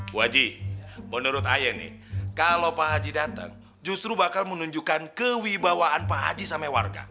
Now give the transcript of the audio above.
bu haji menurut saya nih kalau pak haji dateng justru bakal menunjukkan kewibawaan pak haji sama warga